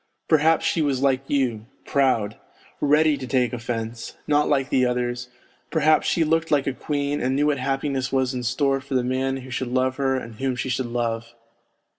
Perhaps she was like you, proud, ready to take offence, not like the others ; perhaps she looked like a queen, and knew what happiness was in store for the man who should love her and whom she should love.